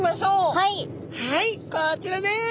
はいこちらです！